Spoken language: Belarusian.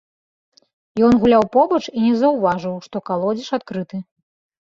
Ён гуляў побач і не заўважыў, што калодзеж адкрыты.